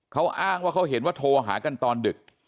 เขาอ้างว่าเขาเห็นว่าโทรหากันตอนดึก